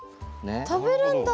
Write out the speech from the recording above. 食べるんだ。